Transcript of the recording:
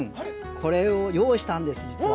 これを用意したんです実は。